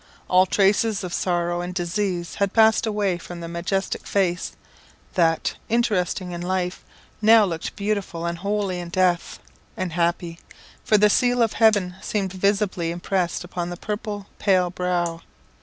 All traces of sorrow and disease had passed away from the majestic face, that, interesting in life, now looked beautiful and holy in death and happy, for the seal of heaven seemed visibly impressed upon the pure pale brow.